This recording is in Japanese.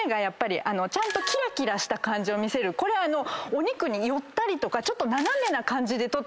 お肉に寄ったりとかちょっと斜めな感じで撮ってらっしゃる。